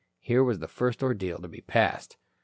Here was the first ordeal to be passed.